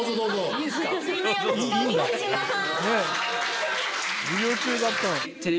みんなよろしくお願いします。